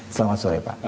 selamat sore pak